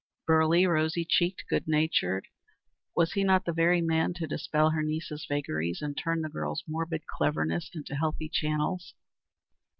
Burly, rosy cheeked, good natured, was he not the very man to dispel her niece's vagaries and turn the girl's morbid cleverness into healthy channels?